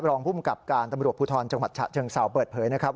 รองภูมิกับการตำรวจภูทรจังหวัดฉะเชิงเซาเปิดเผยนะครับ